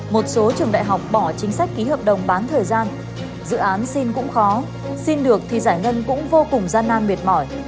một số trường đại học bỏ chính sách ký hợp đồng bán thời gian dự án xin cũng khó xin được thì giải ngân cũng vô cùng gian nan mệt mỏi